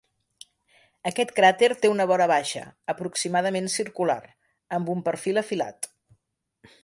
Aquest cràter té una vora baixa, aproximadament circular, amb un perfil afilat.